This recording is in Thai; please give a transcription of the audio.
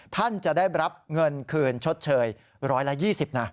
ท่านจะได้รับเงินคืนชดเชย๑๒๐นะ